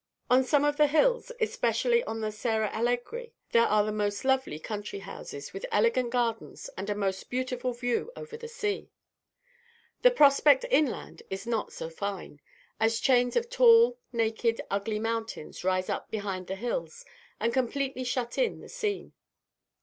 On some of the hills, especially on the Serra Allegri, there are the most lovely country houses, with elegant gardens, and a most beautiful view over the sea. The prospect inland is not so fine, as chains of tall, naked, ugly mountains rise up behind the hills, and completely shut in the scene.